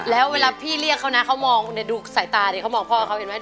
แล้วเวลาพี่เรียกเขานะเขามองใส่ตาเขามองพ่อเขาเห็นไหม